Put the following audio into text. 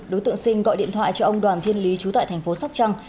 đối tượng sinh gọi điện thoại cho ông đoàn thiên lý trú tại thành phố sóc trăng